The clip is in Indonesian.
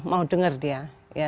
mau denger dia